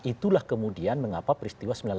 itulah kemudian mengapa peristiwa